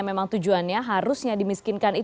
memang tujuannya harusnya dimiskinkan